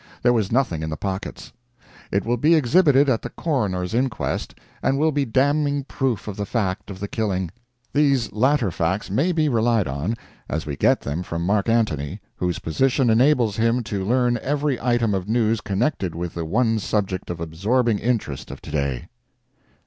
There was nothing in the pockets. It will be exhibited at the coroner's inquest, and will be damning proof of the fact of the killing. These latter facts may be relied on, as we get them from Mark Antony, whose position enables him to learn every item of news connected with the one subject of absorbing interest of to day.